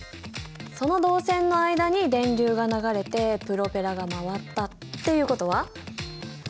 その導線の間に電流が流れてプロペラが回ったっていうことは？